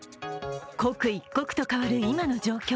刻一刻と変わる今の状況。